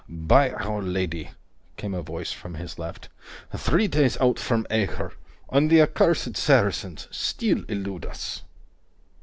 "By our Lady!" came a voice from his left. "Three days out from Acre, and the accursed Saracens still elude us."